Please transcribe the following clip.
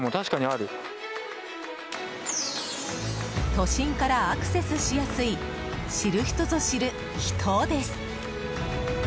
都心からアクセスしやすい知る人ぞ知る秘湯です。